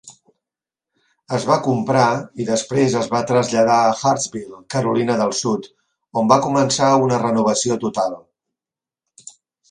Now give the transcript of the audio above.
Es va comprar, i després es va traslladar a Hartsville, Carolina del Sud, on va començar una renovació total.